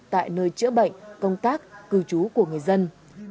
tại nơi chữa bệnh công tác cư trú của người dân